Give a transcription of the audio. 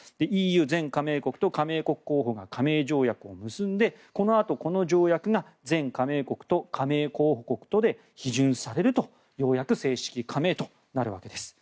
ＥＵ全加盟国と加盟候補国が加盟条約を締結してこのあとこの条約が全加盟国と加盟候補国とで批准されるとようやく正式加盟となるわけです。